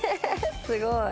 すごい。